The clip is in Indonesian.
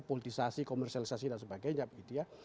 politisasi komersialisasi dan sebagainya begitu ya